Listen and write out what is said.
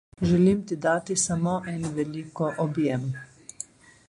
Želim ti dati samo en veliko objem!